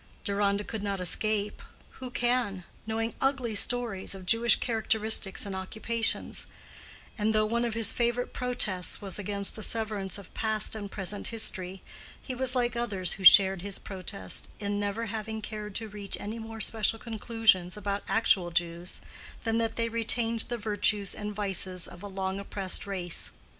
Deronda could not escape (who can?) knowing ugly stories of Jewish characteristics and occupations; and though one of his favorite protests was against the severance of past and present history, he was like others who shared his protest, in never having cared to reach any more special conclusions about actual Jews than that they retained the virtues and vices of a long oppressed race.